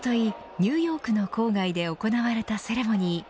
ニューヨークの郊外で行われたセレモニー。